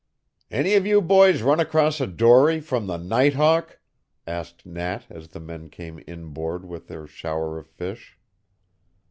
"Any of you boys run across a dory from the Night Hawk?" asked Nat as the men came inboard with their shower of fish.